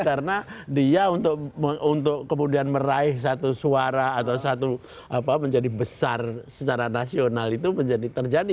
karena dia untuk kemudian meraih satu suara atau satu apa menjadi besar secara nasional itu menjadi terjadi